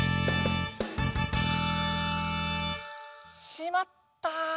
しまった！